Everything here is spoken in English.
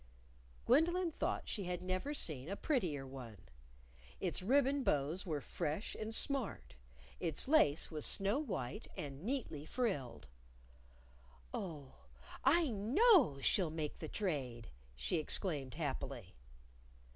Gwendolyn thought she had never seen a prettier one. Its ribbon bows were fresh and smart; its lace was snow white and neatly frilled. "Oh, I know she'll make the trade!" she exclaimed happily.